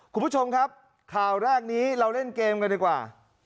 คุณผู้ชมครับข่าวแรกนี้เราเล่นเกมกันดีกว่า